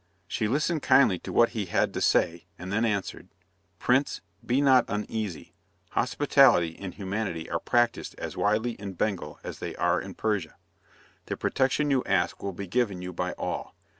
She listened kindly to what he had to say, and then answered: "Prince, be not uneasy; hospitality and humanity are practised as widely in Bengal as they are in Persia. The protection you ask will be given you by all.